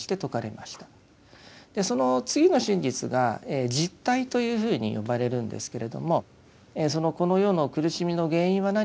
その次の真実が「集諦」というふうに呼ばれるんですけれどもこの世の苦しみの原因は何か。